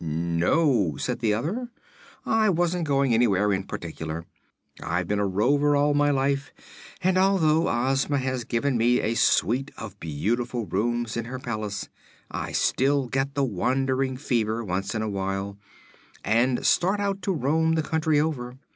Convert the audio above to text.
"No," said the other, "I wasn't going anywhere in particular. I've been a rover all my life, and although Ozma has given me a suite of beautiful rooms in her palace I still get the wandering fever once in a while and start out to roam the country over.